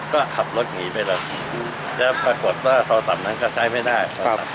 อย่างเป็นแล้วถ้าเถอะถ้าคอเรามันตั้งจะใช้ไม่ได้